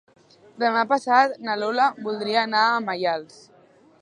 Demà passat na Lola voldria anar a Maials.